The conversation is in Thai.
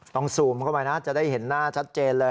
ซูมเข้าไปนะจะได้เห็นหน้าชัดเจนเลย